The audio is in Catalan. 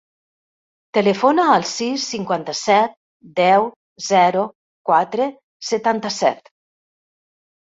Telefona al sis, cinquanta-set, deu, zero, quatre, setanta-set.